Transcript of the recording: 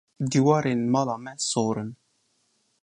Dîwarên mala me sor in.